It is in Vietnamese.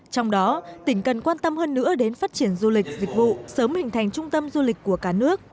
trong đó tỉnh cần quan tâm hơn nữa đến phát triển du lịch dịch vụ sớm hình thành trung tâm du lịch của cả nước